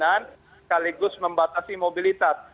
dan sekaligus membatasi mobilitas